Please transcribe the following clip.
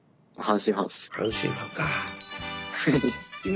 阪神ファンです。